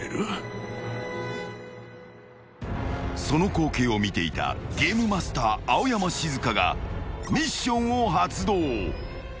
［その光景を見ていたゲームマスター青山シズカがミッションを発動］